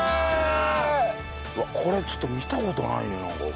うわっこれちょっと見た事ないねなんかこれ。